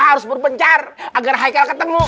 ajar agar haikal ketemu